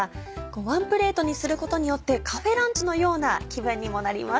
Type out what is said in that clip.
ワンプレートにすることによってカフェランチのような気分にもなります。